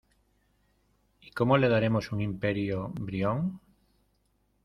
¿ y cómo le daremos un Imperio, Brión?